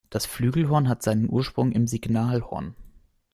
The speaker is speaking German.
Das Flügelhorn hat seinen Ursprung im Signalhorn.